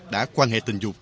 đã quan hệ tình dục